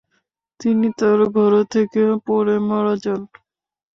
তিনি তার ঘোড়া থেকে পড়ে মারা যান।